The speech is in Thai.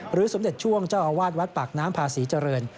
สมเด็จช่วงเจ้าอาวาสวัดปากน้ำพาศรีเจริญ